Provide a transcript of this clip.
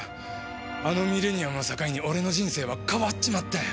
あのミレニアムを境に俺の人生は変わっちまったよ。